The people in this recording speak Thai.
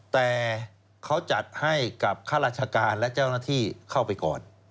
แต่เขาจัดให้กับข้าราชการและเจ้าหน้าที่เข้าไปก่อน